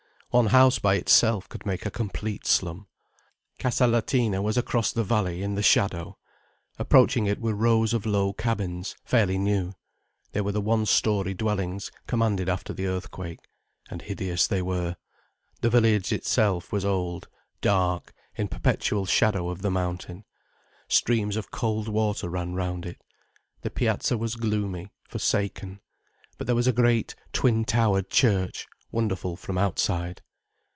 One house by itself could make a complete slum. Casa Latina was across the valley, in the shadow. Approaching it were rows of low cabins—fairly new. They were the one storey dwellings commanded after the earthquake. And hideous they were. The village itself was old, dark, in perpetual shadow of the mountain. Streams of cold water ran round it. The piazza was gloomy, forsaken. But there was a great, twin towered church, wonderful from outside.